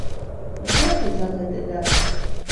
Дзякуй за гэты дар.